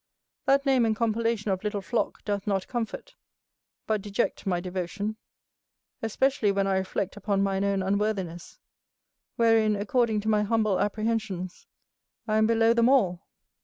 That name and compellation of "little flock" doth not comfort, but deject, my devotion; especially when I reflect upon mine own unworthiness, wherein, according to my humble apprehensions, I am below them all.